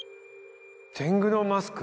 天狗のマスク？